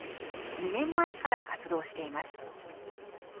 ２年前から活動しています。